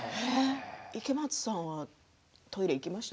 池松さんはトイレ行きました？